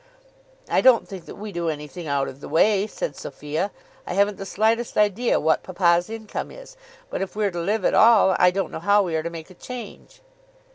"I don't think that we do anything out of the way," said Sophia. "I haven't the slightest idea what papa's income is; but if we're to live at all, I don't know how we are to make a change."